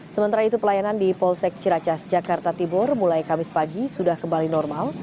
sementara itu pelayanan di polsek ciracas jakarta timur mulai kamis pagi sudah kembali normal